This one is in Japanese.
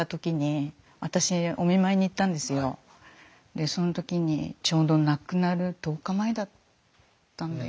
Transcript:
でその時にちょうど亡くなる１０日前だったんだよね。